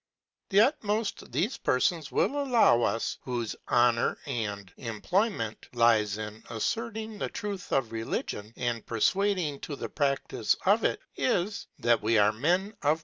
The utmoft thefe Perfons will allow us whole Honour and Imployment lies in afferting the Truth of Religion, and perfwading to the Pradice of it, is, that we are Men of a Pr